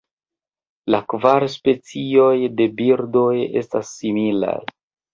La kvar specioj de birdoj estas similaj.